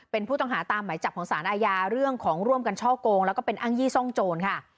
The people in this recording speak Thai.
เป็นผู้ต้องหาตามหมายจับของสารอาญาเรื่องของร่วมกันช่อโกงแล้วก็เป็นอ้างยี่ซ่องโจรค่ะ